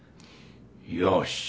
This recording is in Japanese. よし。